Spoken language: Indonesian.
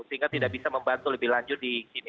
sehingga tidak bisa membantu lebih lanjut di sini